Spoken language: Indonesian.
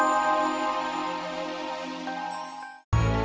aku pun ingin bahagia